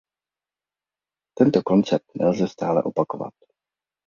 Tento koncept nelze stále opakovat.